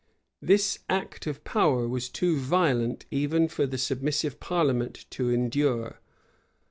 [*] This act of power was too violent even for the submissive parliament to endure.